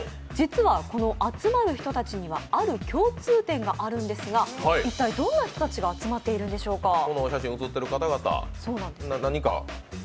実は、この集まる人たちにはある共通点があるんですが一体どんな人たちが集まっているんでしょうか。